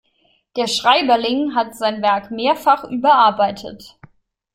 Der Schreiberling hat sein Werk mehrfach überarbeitet.